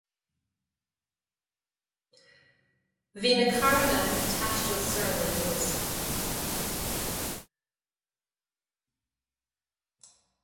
Bhí na carranna ag taisteal soir le luas.